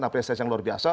apresiasi yang luar biasa